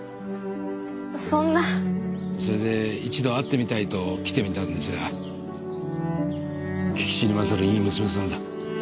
それで一度会ってみたいと来てみたんですが聞きしに勝るいい娘さんだ。